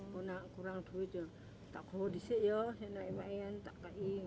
kalau kurang duit tak kukur di sini ya yang lain lain tak kakil